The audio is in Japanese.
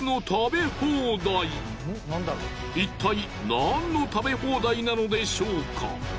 いったい何の食べ放題なのでしょうか？